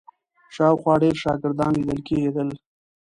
شاوخوا ډېر شاګردان لیدل کېدل.